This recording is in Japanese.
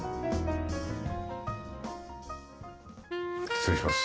失礼します。